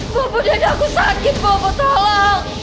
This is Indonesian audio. bapak dada aku sakit bapak tolong